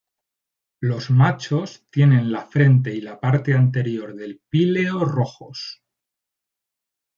Los machos tienen la frente y la parte anterior del píleo rojos.